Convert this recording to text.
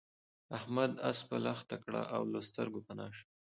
احمد اسپه لښته کړه او له سترګو پنا شو.